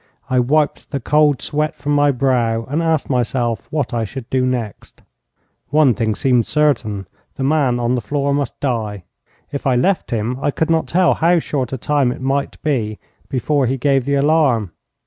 I wiped the cold sweat from my brow, and asked myself what I should do next. One thing seemed certain. The man on the floor must die. If I left him I could not tell how short a time it might be before he gave the alarm.